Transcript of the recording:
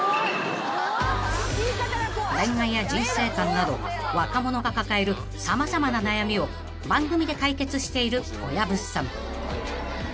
［恋愛や人生観など若者が抱える様々な悩みを番組で解決している小籔さん］